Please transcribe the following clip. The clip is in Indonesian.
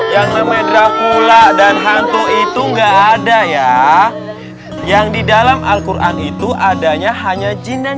yang namanya dracula dan hantu itu enggak ada ya yang di dalam alquran itu adanya hanya jin dan